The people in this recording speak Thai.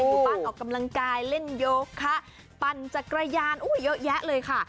อยู่บ้านออกกำลังกายเล่นโยคะปั่นจักรยานเยอะแยะเลยค่ะ